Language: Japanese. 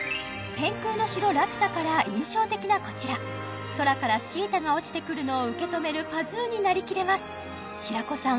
「天空の城ラピュタ」から印象的なこちら空からシータが落ちてくるのを受け止めるパズーになりきれます平子さん